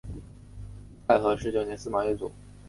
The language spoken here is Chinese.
太和十九年司马跃卒。